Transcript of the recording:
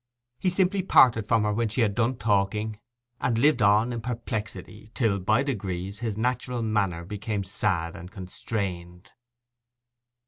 He simply parted from her when she had done talking, and lived on in perplexity, till by degrees his natural manner became sad and constrained.